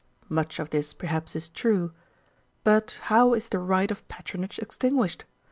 Much of this, perhaps, is true. But how is the right of patronage extinguished?